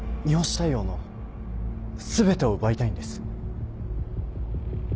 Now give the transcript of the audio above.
大陽の全てを奪いたいんです。